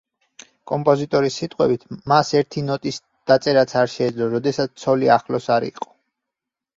კომპოზიტორის სიტყვებით, მას ერთი ნოტის დაწერაც არ შეეძლო, როდესაც ცოლი ახლოს არ იყო.